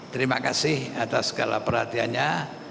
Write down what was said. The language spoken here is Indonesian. terima kasih atas segala perhatiannya